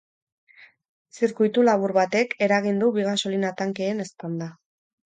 Zirkuitulabur batek eragin du bi gasolina tankeen eztanda.